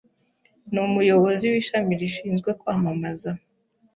Ni umuyobozi w'ishami rishinzwe kwamamaza.